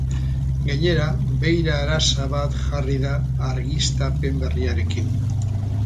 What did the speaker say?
Gainera, beira-arasa bat jarri da, argiztapen berriarekin.